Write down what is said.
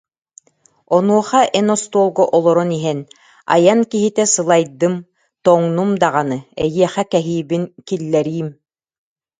Онуоха эн остуолга олорон иһэн: «Айан киһитэ сылайдым, тоҥнум даҕаны, эйиэхэ кэһиибин киллэриим»